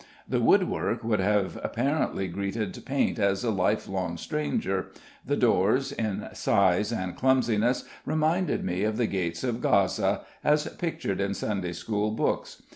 The woodwork would have apparently greeted paint as a life long stranger; the doors, in size and clumsiness, reminded me of the gates of Gaza, as pictured in Sunday school books.